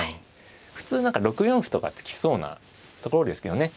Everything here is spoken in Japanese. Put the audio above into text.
普通何か６四歩とか突きそうなところですけどね。